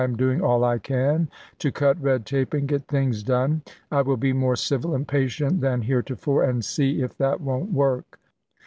am doing all I can to cut red tape and get things done. I will be more civil and patient than here tofore, and see if that won't work."